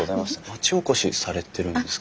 町おこしされてるんですか？